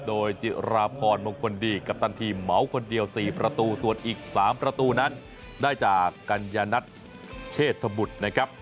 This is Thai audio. โดยจิราพรมงคลดีกัปตันทีมเหมาคนเดียว๔ประตูส่วนอีก๓ประตูนั้นได้จากกัญญนัทเชษฐบุตรนะครับ